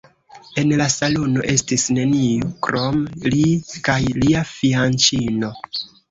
En la salono estis neniu krom li kaj lia fianĉino.